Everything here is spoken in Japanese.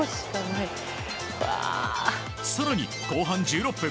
更に後半１６分。